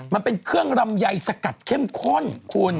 มันเป็นเครื่องลำไยสกัดเข้มข้นคุณ